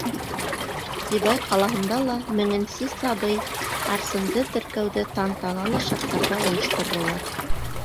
Сибай ҡалаһында ла меңенсе сабый — Арсенды теркәүҙе тантаналы шарттарҙа ойошторҙолар.